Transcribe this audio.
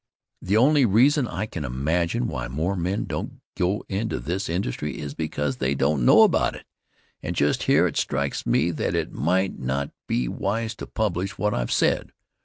The only reason I can imagine why more men don't go into this industry is because they don't know about it. And just here it strikes me that it might not be wise to publish what I've said.